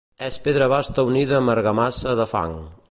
És pedra basta unida amb argamassa de fang.